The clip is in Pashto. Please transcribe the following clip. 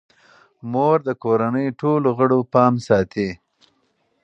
مور د کورنۍ ټولو غړو پام ساتي.